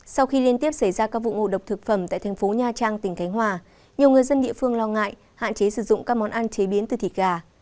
sau khi liên tiếp xảy ra các vụ ngộ độc thực phẩm tại thành phố nha trang tỉnh khánh hòa nhiều người dân địa phương lo ngại hạn chế sử dụng các món ăn chế biến từ thịt gà